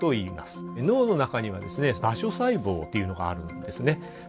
脳の中には場所細胞っていうのがあるんですね。